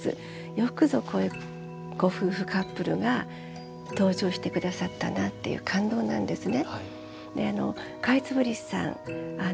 よくぞこういうご夫婦カップルが登場して下さったなっていう感動なんですね。